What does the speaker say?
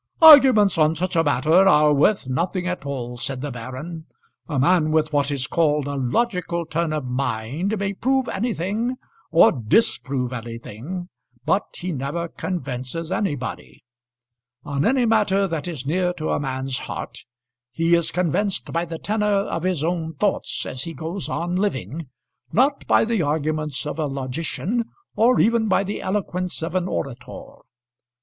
"Arguments on such a matter are worth nothing at all," said the baron. "A man with what is called a logical turn of mind may prove anything or disprove anything; but he never convinces anybody. On any matter that is near to a man's heart, he is convinced by the tenour of his own thoughts as he goes on living, not by the arguments of a logician, or even by the eloquence of an orator.